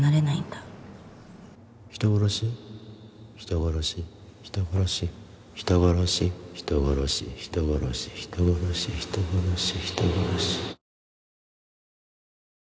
人殺し人殺し人殺し人殺し人殺し人殺し人殺し人殺し人殺し。